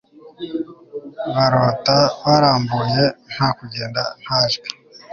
Barota barambuye nta kugenda nta jwi